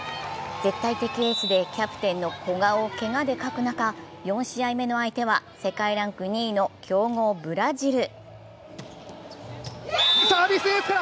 絶対的エースでキャプテンの古賀をけがで欠く中、４試合目の相手は、世界ランク２位の強豪・ブラジル。